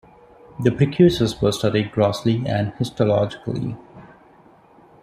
The prepuces were studied grossly and histologically.